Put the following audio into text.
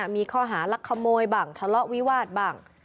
มีข้อหารักขโมยบ้างทะเลาะวิวาสบ้าง